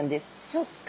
そっか。